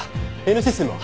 Ｎシステムは？